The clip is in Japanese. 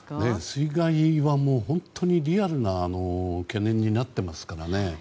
水害は本当にリアルな懸念になっていますからね。